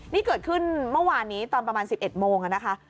นี่เกิดขึ้นเมื่อวานนี้ตอนประมาณ๑๑โมงนะคะ